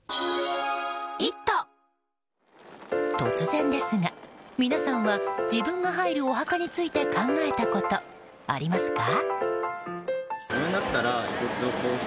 突然ですが、皆さんは自分が入るお墓について考えたことありますか？